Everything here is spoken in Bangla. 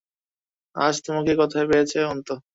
আজ তোমাকে কথায় পেয়েছে, অন্তু।